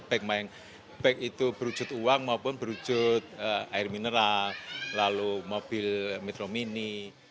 baik itu berujut uang maupun berujut air mineral lalu mobil metromini